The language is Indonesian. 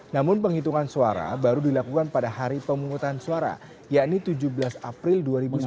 namun penghitungan suara baru dilakukan pada hari pemungutan suara yakni tujuh belas april dua ribu sembilan belas